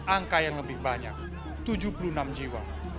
angka yang lebih banyak tujuh puluh enam jiwa